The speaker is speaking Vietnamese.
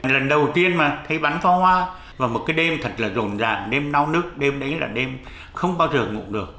lần đầu tiên mà thấy bánh pha hoa và một cái đêm thật là rồn ràng đêm nao nước đêm đấy là đêm không bao giờ ngủ được